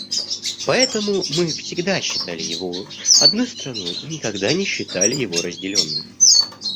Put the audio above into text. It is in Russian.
Поэтому мы всегда считали его одной страной и никогда не считали его разделенным.